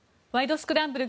スクランブル」